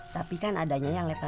tapi kan adanya yang level